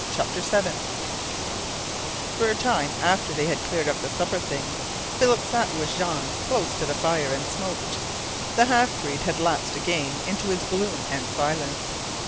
CHAPTER SEVEN For a time after they had cleared up the supper things Philip sat with Jean close to the fire and smoked. The half breed had lapsed again into his gloom and silence.